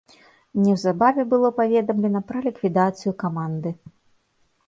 Неўзабаве было паведамлена пра ліквідацыю каманды.